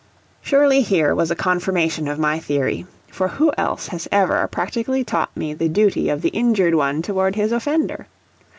Surely here was a confirmation of my theory, for who else had ever practically taught me the duty of the injured one toward his offender?